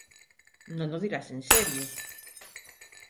Non o dirás en serio.